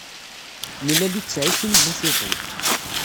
Nla littseɛ i sin n wusuten.